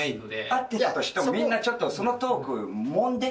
合ってたとしても、みんなちょっと、そのトーク、もんで。